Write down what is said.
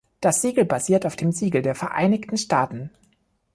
Das Siegel basiert auf dem Siegel der Vereinigten Staaten.